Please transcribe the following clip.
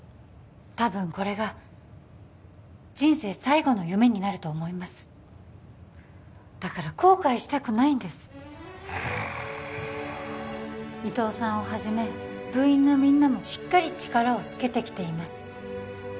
多分これが人生最後の夢になると思いますだから後悔したくないんですうん伊藤さんをはじめ部員のみんなもしっかり力をつけてきています